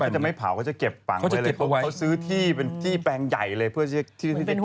ไม่เขาจะไม่เผาเขาจะเก็บปังไว้เลยเขาซื้อที่เป็นที่แปลงใหญ่เลยเพื่อที่จะเก็บไว้